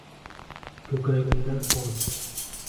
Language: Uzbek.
Ko’kragimdan qon.